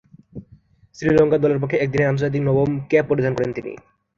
শ্রীলঙ্কা দলের পক্ষে একদিনের আন্তর্জাতিকে নবম ক্যাপ পরিধান করেন তিনি।